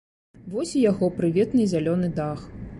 Вось і яго прыветны зялёны дах.